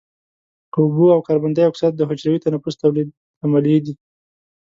اوبه او کاربن دای اکساید د حجروي تنفس تولیدي عملیې دي.